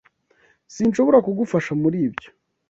Sinshobora kugufasha muri ibyo